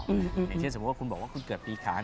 อย่างเช่นสมมุติว่าคุณบอกว่าคุณเกิดปีขาน